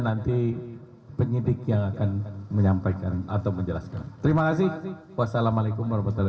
nanti penyidik yang akan menyampaikan atau menjelaskan terima kasih wassalamualaikum